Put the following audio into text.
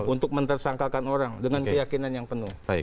untuk mentersangkakan orang dengan keyakinan yang penuh